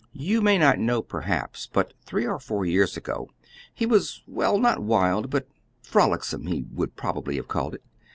You may not know, perhaps, but three or four years ago he was well, not wild, but 'frolicsome,' he would probably have called it.